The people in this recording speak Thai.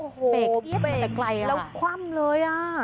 โอ้โหเปรียบมาใกล้แล้วคว่ำเลย